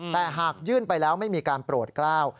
แต่หากยื่นไปแล้วไม่มีการโปรดกล้าว